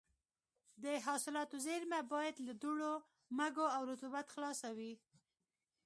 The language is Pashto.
د حاصلاتو زېرمه باید له دوړو، مږو او رطوبت خلاصه وي.